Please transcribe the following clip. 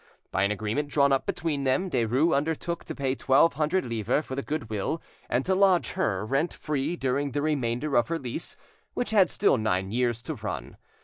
By an agreement drawn up between them, Derues undertook to pay twelve hundred livres for the goodwill, and to lodge her rent free during the remainder of her lease, which had still nine years to run.